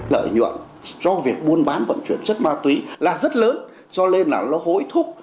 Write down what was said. lợi nhuận cho việc buôn bán vận chuyển chất ma túy là rất lớn cho nên là nó hối thúc